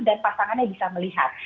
dan pasangannya bisa melihat